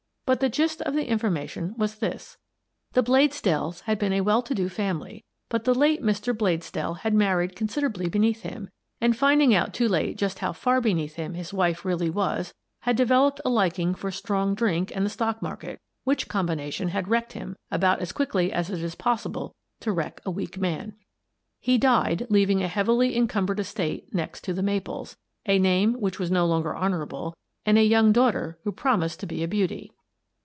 But the gist of the information was this: The Bladesdells had been a well to do family, but the late Mr. Bladesdell had married consider ably beneath him and, finding out too late just how far beneath him his wife really was, had developed a liking for strong drink and the stock market, which combination had wrecked him about as quickly as it is possible to wreck a weak man. He died, leaving a heavily encumbered estate next to " The Maples," a name which was no longer hon ourable, and a young daughter who promised to be a beauty.